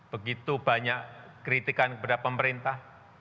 begitu banyak kritikan kepada pemerintah